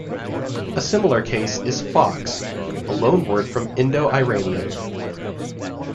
A similar case is "fox", a loanword from Indo-Iranian.